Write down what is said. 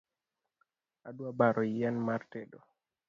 Adwa baro yien mar tedo